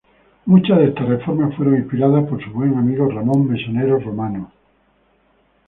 Muchas de estas reformas fueron inspiradas por su buen amigo Ramón Mesonero Romanos.